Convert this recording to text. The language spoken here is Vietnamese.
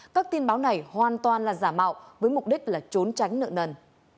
các tin báo này hoàn toàn là giả mạo với mục đích là trốn tránh nợ nần